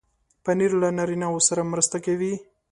پنېر له نارینو سره مرسته کوي.